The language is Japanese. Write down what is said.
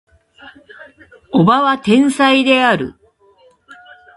叔母は天才である